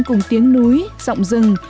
cùng tiếng núi giọng rừng